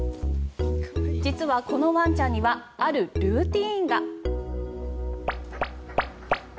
実はこのワンちゃんにはあるルーチンが。